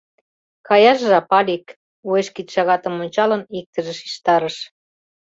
— Каяш жап, Алик, — уэш кидшагатым ончалын, иктыже шижтарыш.